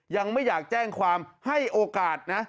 ยังไม่อยากแจ้งความให้โอกาสนะ